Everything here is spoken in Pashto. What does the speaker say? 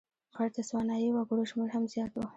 غیر تسوانایي وګړو شمېر هم زیات و.